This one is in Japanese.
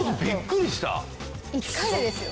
１回でですよ。